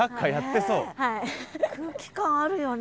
空気感あるよね。